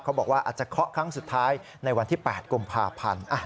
เขาบอกว่าอาจจะเคาะครั้งสุดท้ายในวันที่๘กุมภาพันธ์